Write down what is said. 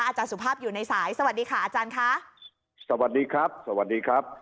อาจารย์สุภาพอยู่ในสายสวัสดีค่ะอาจารย์ค่ะสวัสดีครับสวัสดีครับ